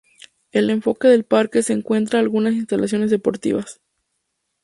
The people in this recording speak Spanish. En el fondo del parque se encuentran algunas instalaciones deportivas.